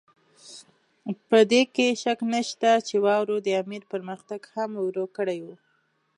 په دې کې شک نشته چې واورو د امیر پرمختګ هم ورو کړی وو.